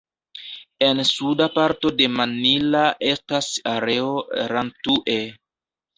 En suda parto de Mannila estas areo Rantue.